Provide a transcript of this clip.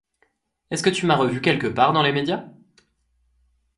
Est-ce que tu m'as revu quelque part dans les médias?